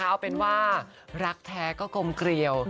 เอาเป็นว่ารักแท้ก็กลมเกลียว